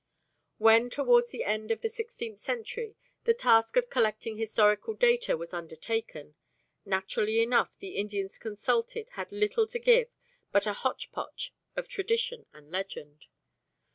When, towards the end of the sixteenth century, the task of collecting historical data was undertaken, naturally enough the Indians consulted had little to give but a hotchpotch of tradition and legend.